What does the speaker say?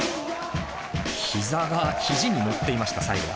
膝が肘に乗っていました最後は。